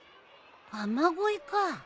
雨乞いか。